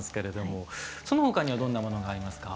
そのほかにはどんなものがありますか？